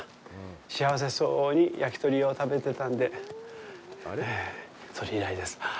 幸せそうに焼き鳥を食べてたので、それ以来です。